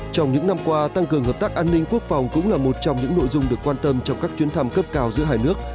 trong những năm qua tăng cường hợp tác an ninh quốc phòng cũng là một trong những nội dung được quan tâm trong các chuyến thăm cấp cao giữa hai nước